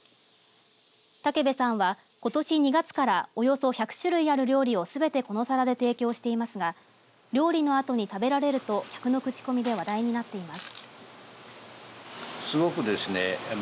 武部さんは、ことし２月からおよそ１００種類ある料理をすべてこの皿で提供していますが料理のあとに食べられると客の口コミで話題になっています。